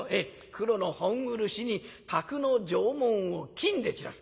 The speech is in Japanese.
黒の本漆に宅の定紋を金で散らす。